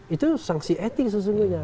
itu sanksi etik sesungguhnya